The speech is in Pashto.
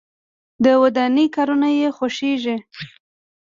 د ودانۍ کارونه یې خوښیږي.